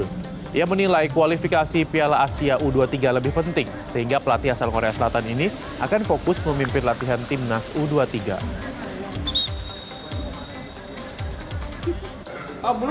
dia menilai kualifikasi piala asia u dua puluh tiga lebih penting sehingga pelatih asal korea selatan ini akan fokus memimpin latihan timnas u dua puluh tiga